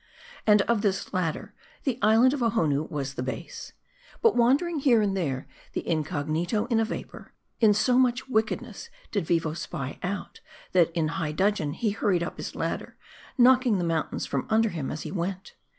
And of this ladder, the island of Ohonoo Was the base. But wandering here and there, incognito in a vapor, so much wickedness did Vivo spy out, that in high dudgeon he hurried up his ladder, knocking the mountains from under him as he went.